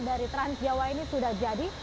dari trans jawa ini sudah jadi